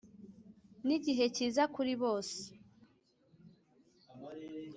nigihe cyiza kuri bose.